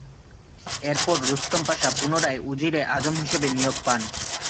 এরপর রুস্তম পাশা পুনরায় উজিরে আজম হিসেবে নিয়োগ পান।